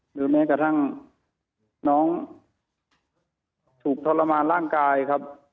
หรือแม้กระทั่งน้องถูกทรมานร่างกายครับ